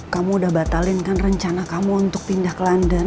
kamu udah batalin kan rencana kamu untuk pindah ke london